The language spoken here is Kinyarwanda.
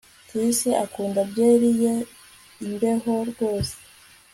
Chris akunda byeri ye imbeho rwose